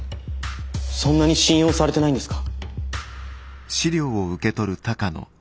そんなに信用されてないんですか？